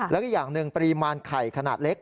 แล้วก็อย่างหนึ่งปริมาณไข่ขนาดเล็ก